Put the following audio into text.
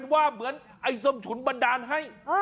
ว่าเหมือนไอ้ส้มฉุนบันดาลให้